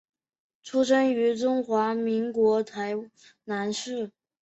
出生于中华民国台南市。